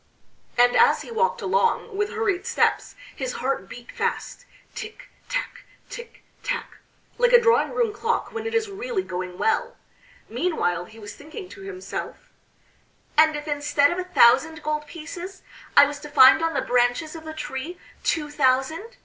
And as he walked along with hurried steps his heart beat fast, tic, tac, tic, tac, like a drawing room clock when it is really going well. Meanwhile he was thinking to himself: "And if instead of a thousand gold pieces, I was to find on the branches of the tree two thousand?...